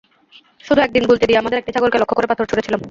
শুধু একদিন গুলতি দিয়ে আমাদের একটি ছাগলকে লক্ষ্য করে পাথর ছুড়েছিলাম।